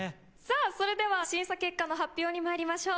それでは審査結果の発表にまいりましょう。